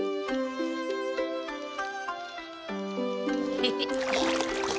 ヘヘッ。